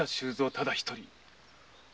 ただ一人。